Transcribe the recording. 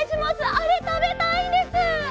あれたべたいんです！